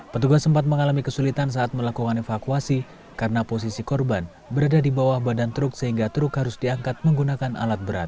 petugas sempat mengalami kesulitan saat melakukan evakuasi karena posisi korban berada di bawah badan truk sehingga truk harus diangkat menggunakan alat berat